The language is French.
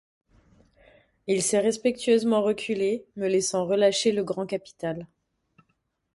Il s’est respectueusement reculé, me laissant relâcher le grand capital.